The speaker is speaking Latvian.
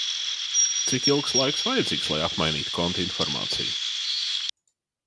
Cik ilgs laiks vajadzīgs, lai apmainītu konta informāciju?